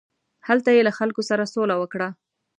هلته یې له خلکو سره سوله وکړه.